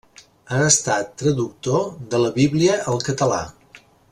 Ha estat traductor de la Bíblia al català.